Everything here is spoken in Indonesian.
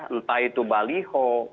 entah itu baliho